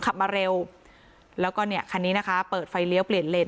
ขับมาเร็วแล้วก็เนี่ยคันนี้นะคะเปิดไฟเลี้ยวเปลี่ยนเลน